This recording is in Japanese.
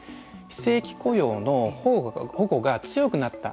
非正規の保護が強くなった。